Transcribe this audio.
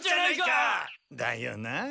だよなあ。